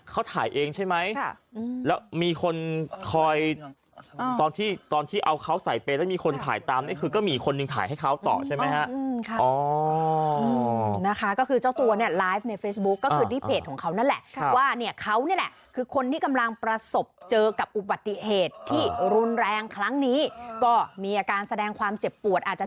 เขาถ่ายเองใช่ไหมแล้วมีคนคอยตอนที่ตอนที่เอาเขาใส่ไปแล้วมีคนถ่ายตามนี่คือก็มีคนหนึ่งถ่ายให้เขาต่อใช่ไหมฮะนะคะก็คือเจ้าตัวเนี่ยไลฟ์ในเฟซบุ๊คก็คือที่เพจของเขานั่นแหละว่าเนี่ยเขานี่แหละคือคนที่กำลังประสบเจอกับอุบัติเหตุที่รุนแรงครั้งนี้ก็มีอาการแสดงความเจ็บปวดอาจจะ